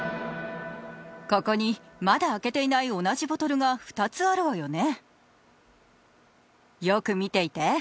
ここにまだ開けていない同じボトルが２つあるわよね。